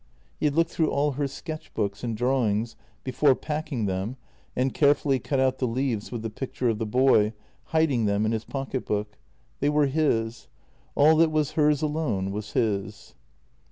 He had looked through all her sketch books and drawings before packing them and carefully cut out the leaves with the picture of the boy, hiding them in his pocket book. They were his — all that was hers alone was his.